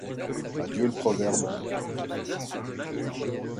adieu le proverbe